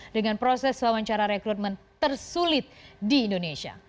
dengan proses wawancara rekrutmen tersulit di indonesia